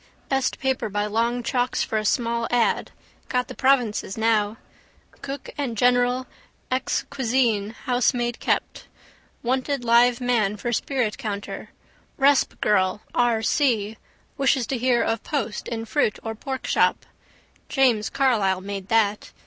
Best paper by long chalks for a small ad. Got the provinces now. Cook and general, exc. cuisine, housemaid kept. Wanted live man for spirit counter. Resp. girl (R.C.) wishes to hear of post in fruit or pork shop. James Carlisle made that.